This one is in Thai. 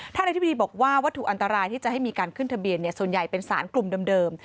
อธิบดีบอกว่าวัตถุอันตรายที่จะให้มีการขึ้นทะเบียนส่วนใหญ่เป็นสารกลุ่มเดิม